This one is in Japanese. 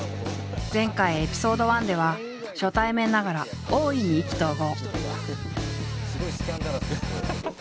前回エピソード１では初対面ながら大いに意気投合。